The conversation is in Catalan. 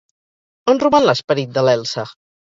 On roman l'esperit de l'Elsa?